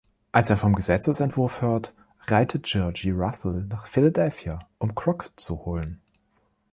Als er vom Gesetzesentwurf hört, reitet Georgie Russell nach Philadelphia, um Crockett zu holen.